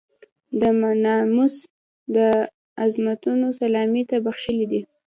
د ناموس د عظمتونو سلامي ته بخښلی دی.